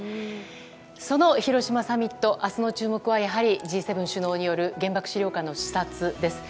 その広島サミット明日の注目は、やはりＧ７首脳による原爆資料館の視察です。